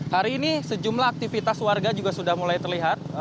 hari ini sejumlah aktivitas warga juga sudah mulai terlihat